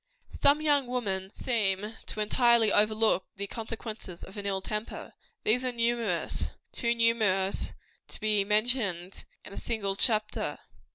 Some young women seem entirely to overlook the consequences of an ill temper. These are numerous too numerous to be mentioned in a single chapter.